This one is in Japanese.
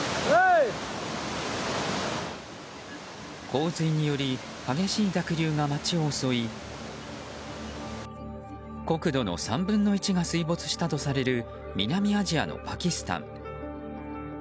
洪水により激しい濁流が街を襲い国土の３分の１が水没したとされる南アジアのパキスタン。